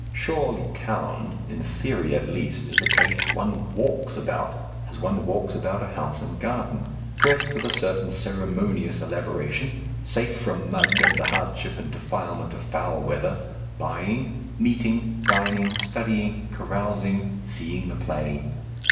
Surely Town, in theory at least, is a place one walks about as one walks about a house and garden, dressed with a certain ceremonious elaboration, safe from mud and the hardship and defilement of foul weather, buying, meeting, dining, studying, carousing, seeing the play.